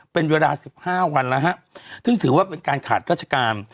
เป็นเวลาสิบห้าวันละฮะถึงถือว่าเป็นการขาดราชการ